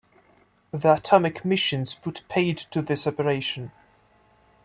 The atomic missions put paid to this operation.